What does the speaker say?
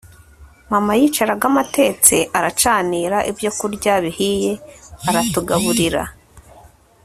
mama yicaragamo atetse, aracanira, ibyo kurya bihiye aratugaburira